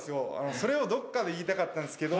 それをどっかで言いたかったんですけど。